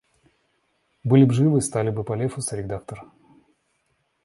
Были б живы — стали бы по Лефу соредактор.